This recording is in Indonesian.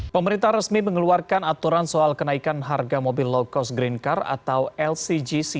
pemerintah resmi mengeluarkan aturan soal kenaikan harga mobil low cost green car atau lcgc